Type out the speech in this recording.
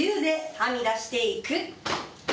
はみ出していく。